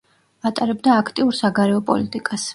ატარებდა აქტიურ საგარეო პოლიტიკას.